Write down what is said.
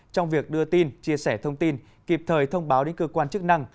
trong việc đưa tin chia sẻ thông tin kịp thời thông báo đến cơ quan chức năng